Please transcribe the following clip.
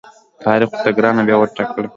تاریخ ورته ګرانه بیه وټاکله.